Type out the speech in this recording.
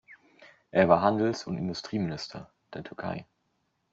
Er war Handels- und Industrieminister der Türkei.